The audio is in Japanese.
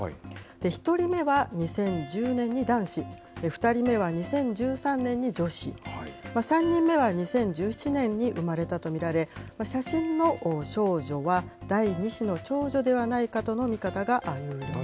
１人目は２０１０年に男子、２人目は２０１３年に女子、３人目は２０１７年に生まれたと見られ、写真の少女は、第２子の長女ではないかとの見方があるんです。